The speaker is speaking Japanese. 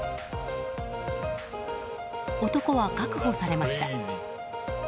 男は確保されました。